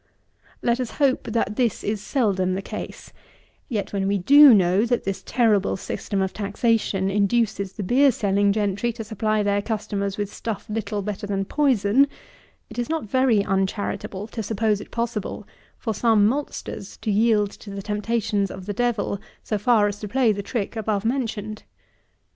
Let us hope that this is seldom the case; yet, when we do know that this terrible system of taxation induces the beer selling gentry to supply their customers with stuff little better than poison, it is not very uncharitable to suppose it possible for some maltsters to yield to the temptations of the devil so far as to play the trick above mentioned.